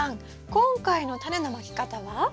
今回のタネのまき方は？